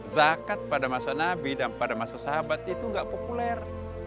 zakat pada masa nabi dan pada masa sahabat itu gak populer